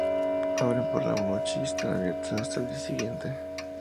Abren por la noche y están abiertas hasta el día siguiente.